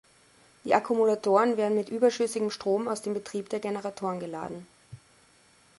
Die Akkumulatoren werden mit überschüssigem Strom aus dem Betrieb der Generatoren geladen.